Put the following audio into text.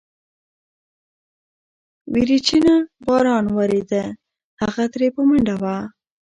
وريچينه باران وريده، هغه ترې په منډه وه.